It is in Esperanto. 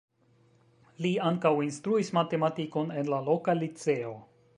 Li ankaŭ instruis matematikon en la loka liceo.